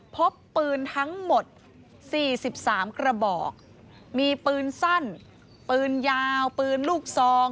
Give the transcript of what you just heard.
พบปืนทั้งหมด๔๓กระบอกมีปืนสั้นปืนยาวปืนลูกซอง